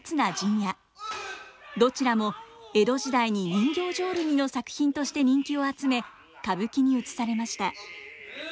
どちらも江戸時代に人形浄瑠璃の作品として人気を集め歌舞伎にうつされました。